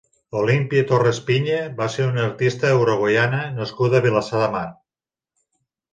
Olimpia Torres Piña va ser una artista uruguaiana nascuda a Vilassar de Mar.